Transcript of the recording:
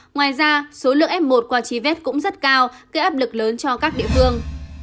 ngoài ra số lượng f một qua chi vết cũng rất cao gây áp lực lớn cho các địa phương